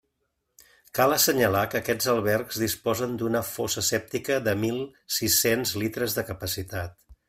Cal assenyalar que aquests albergs disposen d'una fossa sèptica de mil sis-cents litres de capacitat.